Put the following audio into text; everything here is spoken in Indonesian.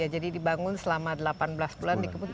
jadi dibangun selama delapan belas bulan